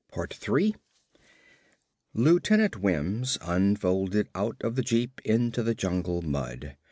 Lieutenant Wims unfolded out of the jeep into the jungle mud.